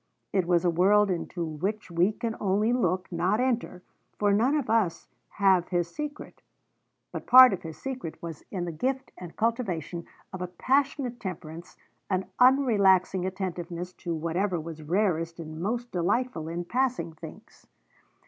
It was a world into which we can only look, not enter, for none of us have his secret. But part of his secret was in the gift and cultivation of a passionate temperance, an unrelaxing attentiveness to whatever was rarest and most delightful in passing things.